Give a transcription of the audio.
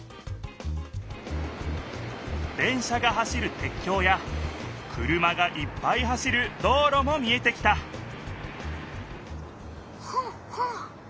電車が走るてっきょうや車がいっぱい走る道ろも見えてきたフガフガ。